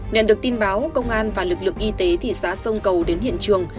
nhận được tin báo công an và lực lượng y tế thị xã sông cầu đến hiện trường